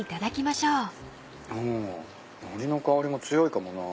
のりの香りも強いかもな。